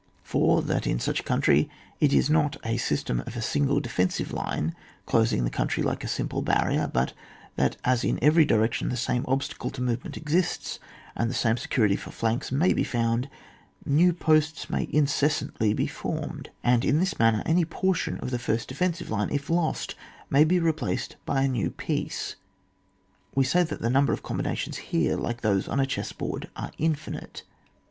4. That in such a country it is not a system of a single defensive line, closing the country like a simple barrier, but that as in every direction the same obstacle to movement exists, and the same security for flanks may be found, new posts may incessantly be formed, and in this manner any portion of the first defensive line, if lost, may be replaced by a new piece. We may say that the number of combinations here, like those on a chessboard, are infinite.